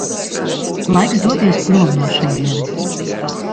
Laiks doties prom no šejienes.